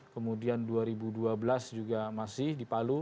kemudian dua ribu dua belas juga masih di palu